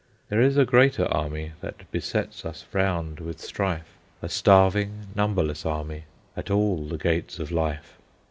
There is a greater army That besets us round with strife, A starving, numberless army At all the gates of life.